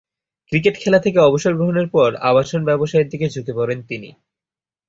Cricket খেলা থেকে অবসর গ্রহণের পর আবাসন ব্যবসায়ের দিকে ঝুঁকে পড়েন তিনি।